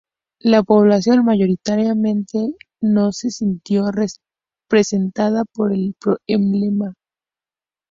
La población mayoritariamente no se sintió representada por el emblema.